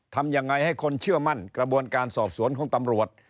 ทำยังไงให้คนเชื่อมั่นกระบวนการสอบสวนของตำรวจ